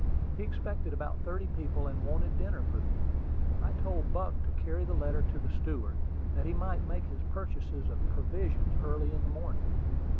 He expected about thirty people, and wanted dinner for them. I told Buck to carry the letter to the steward, that he might make his purchases of provisions early in the morning.